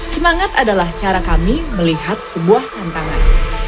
semangat adalah cara kami melihat sebuah tantangan